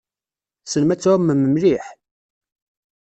Tessnem ad tɛumem mliḥ?